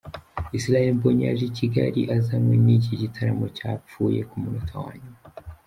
Israel Mbonyi yaje i Kigali azanywe n'iki gitaramo cyapfuye ku munota wa nyuma.